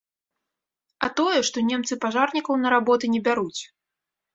А тое, што немцы пажарнікаў на работы не бяруць.